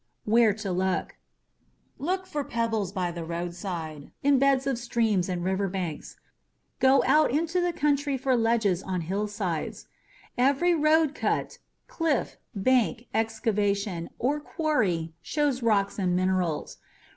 Where To Look Look for pebbles by the roadside, in beds of streams and riverbanks. Go out into the country for ledges on hillsides. Every road cut, cliff, bank, excavation, or quarry shows rocks and minerals.